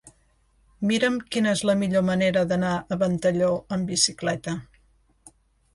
Mira'm quina és la millor manera d'anar a Ventalló amb bicicleta.